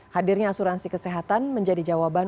hadirnya asuransi kesehatan menjadi jawaban